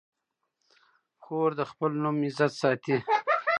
خور د خپل نوم عزت ساتي.